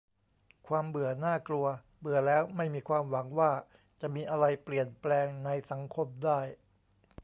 "ความเบื่อน่ากลัว เบื่อแล้วไม่มีความหวังว่าจะมีอะไรเปลี่ยนแปลงในสังคมได้"